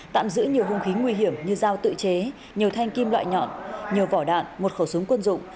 tạm giữ nhiều hung khí nguy hiểm như dao tự chế nhiều thanh kim loại nhọn nhiều vỏ đạn một khẩu súng quân dụng